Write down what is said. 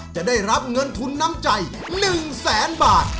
จะได้รับเงินทุนน้ำใจ๑แสนบาท